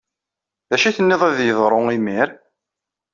D acu teniḍ ad yeḍru imir?